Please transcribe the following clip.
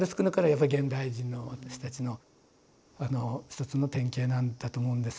やっぱり現代人の私たちの一つの典型なんだと思うんです。